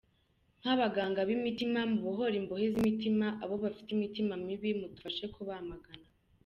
Nk’abaganga b’imitima mubohore imbohe z’imitima, abo bafite imitima mibi mudufashe kubamagana.